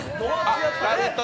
ラヴィット！